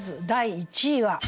第２位は。